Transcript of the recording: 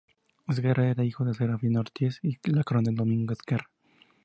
Esguerra era hijo de Serafina Ortiz y del coronel Domingo Esguerra.